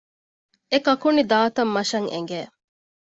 އެ ކަކުނި ދާ ތަން މަށަށް އެނގެ